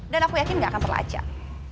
dan aku yakin gak akan terlacak